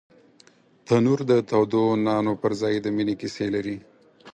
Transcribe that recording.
تنور د تودو نانو پر ځای د مینې کیسې لري